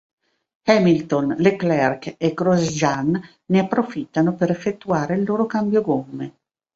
Hamilton, Leclerc e Grosjean ne approfittano per effettuare il loro cambio gomme.